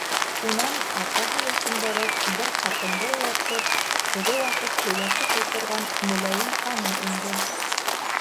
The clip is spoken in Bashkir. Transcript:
Унан атаһы йәшендәрәк бер ҡатынды эйәртеп теге ваҡыт һөйләшеп ултырған мөләйем ханым инде.